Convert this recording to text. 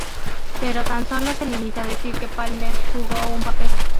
Pero tan sólo se limita a decir que Palmer "jugó un papel".